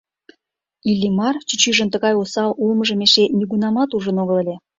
Иллимар чӱчӱжын тыгай осал улмыжым эше нигунамат ужын огыл ыле.